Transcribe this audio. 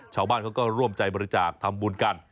ชาวบ้านเขาก็ร่วมใจบริจาคทำบุญกัน